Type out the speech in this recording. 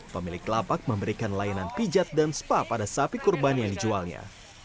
pemilik lapak memberikan layanan pijat dan spa pada sapi kurban yang dijualnya